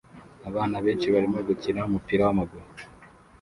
Abana benshi barimo gukina umupira wamaguru